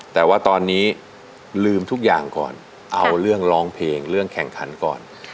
แต่ว่าตอนนี้ลืมทุกอย่างก่อนเอาเรื่องร้องเพลงเรื่องแข่งขันก่อน